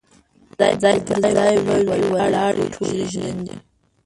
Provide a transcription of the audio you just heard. ځاي پر ځای به وي ولاړي ټولي ژرندي